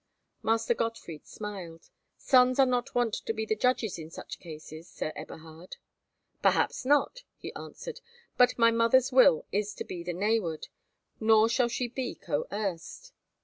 Master Gottfried smiled. "Sons are not wont to be the judges in such cases, Sir Eberhard." "Perhaps not," he answered; "but my mother's will is to the nayward, nor shall she be coerced."